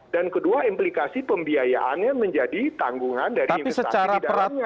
dan kedua implikasi pembiayaannya menjadi tanggungan dari investasi di dalamnya